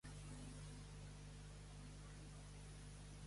Estem creant la societat més inhumana que ha existit mai